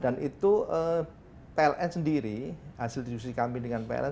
dan itu pln sendiri hasil diskusi kami dengan pln